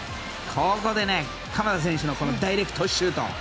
ここで鎌田選手のダイレクトシュート。